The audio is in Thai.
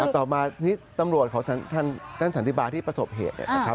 ต่อมาตำรวจของท่านสันติบาที่ประสบเหตุ